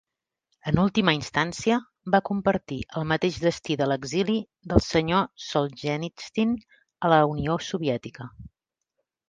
En última instància, va compartir el mateix destí de l'exili del Sr. Solzhenitsyn a la Unió Soviètica.